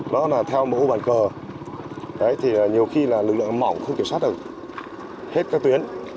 đó là theo mẫu bàn cờ đấy thì nhiều khi là lực lượng mỏng không kiểm soát được hết cái tuyến